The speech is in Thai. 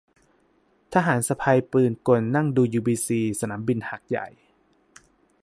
ทหารสะพายปืนกลนั่งดูยูบีซี สนามบินหาดใหญ่